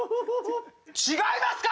違いますか！？